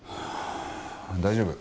大丈夫。